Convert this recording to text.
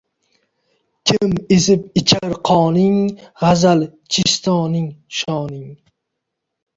Kim ezib ichar qoning, gʼazal-chistoning shoning